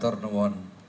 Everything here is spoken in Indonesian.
tidak ada alasan